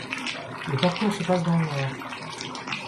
Le parcours se passe dans le noir.